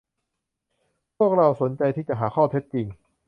พวกเราสนใจที่จะหาข้อเท็จจริง